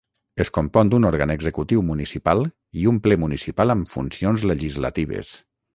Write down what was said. Es compon d'un òrgan Executiu Municipal i un Ple Municipal amb funcions legislatives.